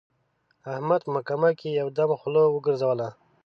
احمد په محکمه کې یو دم خوله وګرځوله.